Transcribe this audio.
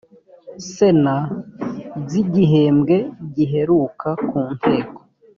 sena by’ igihembwe giheruka ku nteko